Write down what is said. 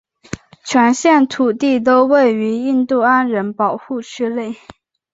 全县土地都位于印地安人保护区内。